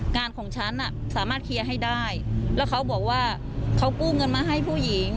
งานของฉันสามารถเคลียร์ให้ได้แล้วเขาบอกว่าเขากู้เงินมาให้ผู้หญิง